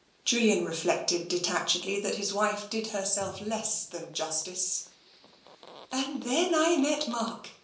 '* Julian reflected detachedly that his wife did herself less than justice. " And then I met Mark.